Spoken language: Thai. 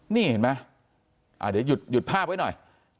นี่เห็นไหมเดี๋ยวหยุดภาพไว้หน่อย